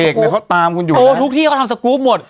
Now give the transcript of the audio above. โกทุกที่เขาทำสกรูปหมด